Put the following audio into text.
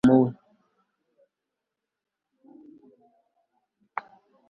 nibisabwa na muramuwe